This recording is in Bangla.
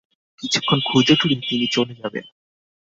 কিছুক্ষণ খুঁজেটুজে তিনি চলে যাবেন।